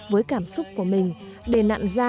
với cảm xúc của mình để nặn ra